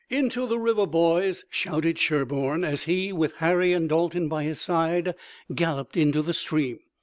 "Into the river, boys!" shouted Sherburne, as he with Harry and Dalton by his side galloped into the stream.